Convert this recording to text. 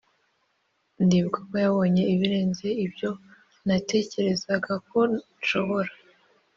ndibuka ko yabonye ibirenze ibyo natekerezaga ko nshobora,